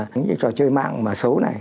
những cái trò chơi mạng mà xấu này